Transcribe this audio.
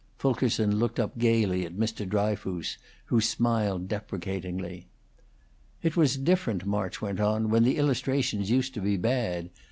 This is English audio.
Fulkerson looked up gayly at Mr. Dryfoos, who smiled deprecatingly. "It was different," March went on, "when the illustrations used to be bad.